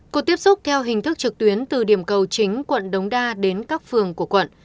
cuộc tiếp xúc theo hình thức trực tuyến từ điểm cầu chính quận đống đa đến các phường của quận